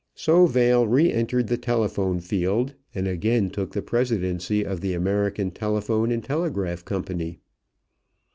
So Vail re entered the telephone field and again took the presidency of the American Telephone and Telegraph Company.